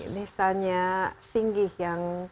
desanya singgi yang